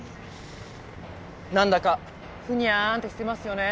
なんだかふにゃんてしてますよね